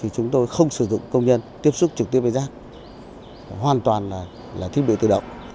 chúng tôi không sử dụng công nhân tiếp xúc trực tiếp với rác hoàn toàn là thiết bị tự động